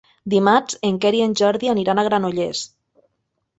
Dimarts en Quer i en Jordi aniran a Granollers.